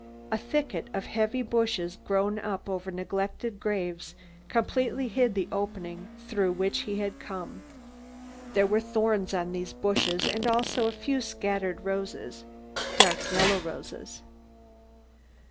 A thicket of heavy bushes grown up over neglected graves completely hid the opening through which he had come. There were thorns on these bushes and also a few scattered roses, dark yellow roses.